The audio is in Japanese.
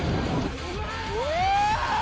うわ！